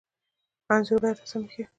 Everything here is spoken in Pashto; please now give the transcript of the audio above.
انځورګر رسامي کوي.